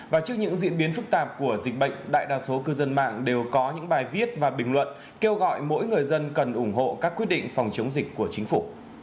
và trước những diễn biến phức tạp của dịch bệnh đại đa số cư dân mạng đều có những bài viết và bình luận kêu gọi mỗi người dân cần ủng hộ các quyết định phòng chống dịch của chính phủ